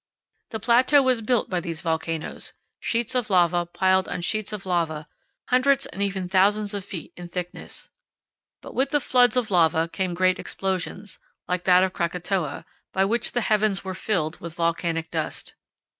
The plateau was built by these volcanoes sheets of lava piled on sheets of lava hundreds and even thousands of feet in thickness. But with the floods of lava came great explosions, like that of Krakatoa, by which the heavens were filled with volcanic dust.